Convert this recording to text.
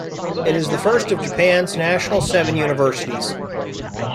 It is the first of Japan's National Seven Universities.